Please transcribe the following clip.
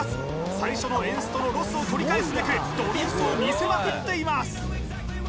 最初のエンストのロスを取り返すべくドリフトをみせまくっています